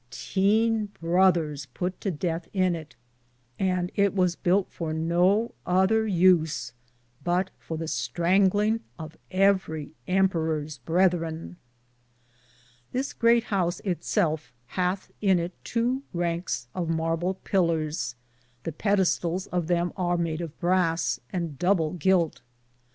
63 was thare, had nyntene brotheres put to deathe in it, and it was bulte for no other use but for the stranglinge of everie emperors bretherin. This pfreat house it selfe hathe in it tow rankes of marble pillors ; the pettestales (pedestals) of them ar made of brass, and double gilte.